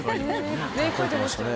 ねっ書いてましたよね。